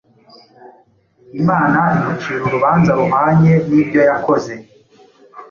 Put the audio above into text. Imana imucira urubanza ruhwanye n’ibyo yakoze.